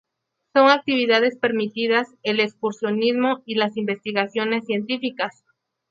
Son actividades permitidas el excursionismo y las investigaciones científicas.